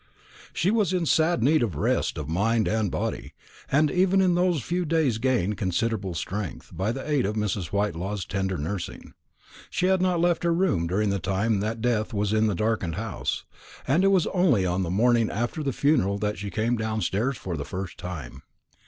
She was in sad need of rest of mind and body, and even in those few days gained considerable strength, by the aid of Mrs. Whitelaw's tender nursing. She had not left her room during the time that death was in the darkened house, and it was only on the morning after the funeral that she came downstairs for the first time.